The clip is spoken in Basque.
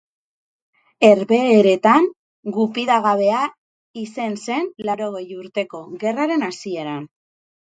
Herbehereetan gupidagabea izen zen Laurogei Urteko Gerraren hasieran.